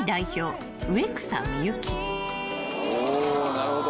おなるほど。